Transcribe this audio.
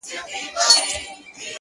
سیاه پوسي ده ـ برباد دی ـ